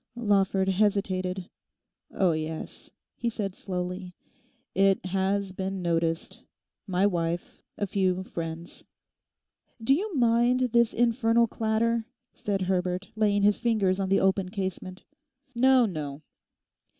Lawford hesitated. 'Oh, yes,' he said slowly, 'it has been noticed—my wife, a few friends.' 'Do you mind this infernal clatter?' said Herbert, laying his fingers on the open casement. 'No, no.